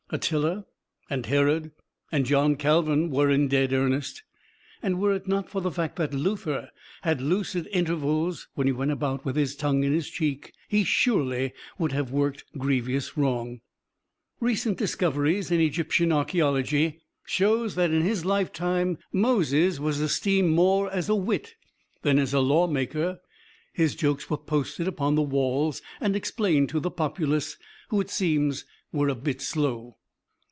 Attila, and Herod, and John Calvin were in dead earnest. And were it not for the fact that Luther had lucid intervals when he went about with his tongue in his cheek he surely would have worked grievous wrong. Recent discoveries in Egyptian archeology show that in his lifetime Moses was esteemed more as a wit than as a lawmaker. His jokes were posted upon the walls and explained to the populace, who it seems were a bit slow.